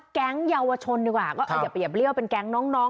แก๊งเยาวชนดีกว่าก็อย่าไปเหยียวเป็นแก๊งน้อง